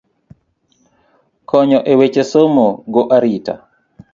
Konyo e weche somo go arita.